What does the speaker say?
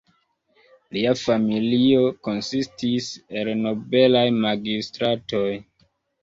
Lia familio konsistis el nobelaj magistratoj.